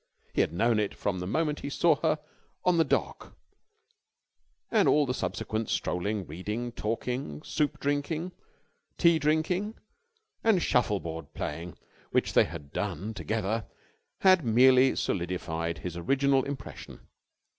He had known it from the moment he saw her on the dock, and all the subsequent strolling, reading, talking, soup drinking, tea drinking, and shuffle board playing which they had done together had merely solidified his original impression.